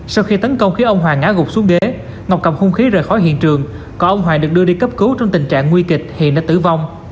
sau khi tấn công khiến ông hoàng ngã gục xuống bế ngọc cầm hung khí rời khỏi hiện trường còn ông hoài được đưa đi cấp cứu trong tình trạng nguy kịch hiện đã tử vong